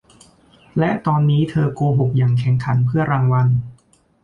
และตอนนี้เธอโกหกอย่างแข็งขันเพื่อรางวัล